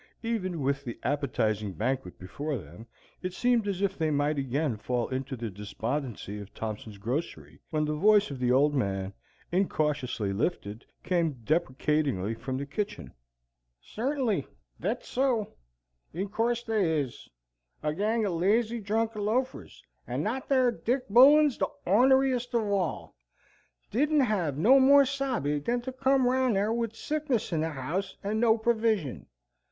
Even with the appetizing banquet before them, it seemed as if they might again fall into the despondency of Thompson's grocery, when the voice of the Old Man, incautiously lifted, came deprecatingly from the kitchen. "Certainly! Thet's so. In course they is. A gang o' lazy drunken loafers, and that ar Dick Bullen's the ornariest of all. Didn't hev no more sabe than to come round yar with sickness in the house and no provision.